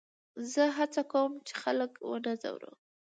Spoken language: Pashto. زه هڅه کوم، چي خلک و نه ځوروم.